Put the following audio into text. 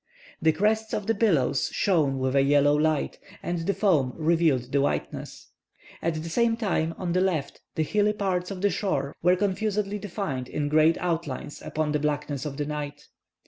The crests of the billows shone with a yellow light and the foam revealed its whiteness. At the same time, on the left, the hilly parts of the shore were confusedly defined in grey outlines upon the blackness of the night.